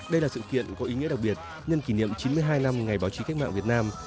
đây là sự kiện có ý nghĩa đặc biệt nhân kỷ niệm chín mươi hai năm ngày báo chí cách mạng việt nam